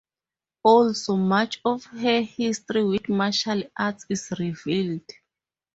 Also, much of her history with martial arts is revealed.